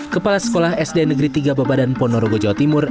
kepala sekolah sd negeri tiga bebadan ponorogo jawa timur